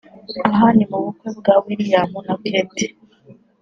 Aha ni mu bukwe bwa William na Kate